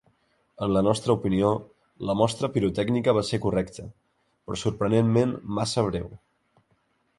En la nostra opinió, la mostra pirotècnica va ser correcta, però sorprenentment massa breu.